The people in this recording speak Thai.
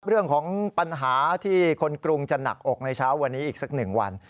เรื่องของปัญหาที่คนกรุงจะหนักอกในเช้าวันนี้อีกสักหนึ่งวัน